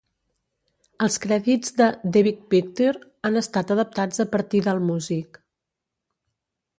Els crèdits de "The Big Picture" han estat adaptats a partir d'Allmusic.